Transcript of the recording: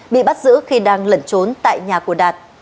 bị bắt giữ khi đang lẩn trốn tại nhà của đạt